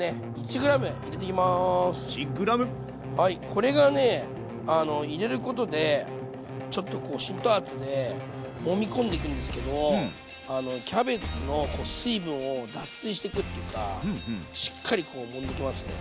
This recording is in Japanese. これがね入れることでちょっとこう浸透圧でもみ込んでいくんですけどキャベツの水分を脱水していくっていうかしっかりこうもんでいきますね。